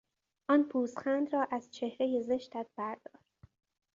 آن پوزخند را از چهرهی زشتت بردار!